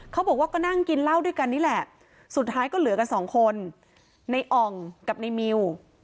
เขาบอกว่าก็นั่งกินเหล้าด้วยกันนี่แหละสุดท้ายก็เหลือกันสองคนในอ่องกับในมิว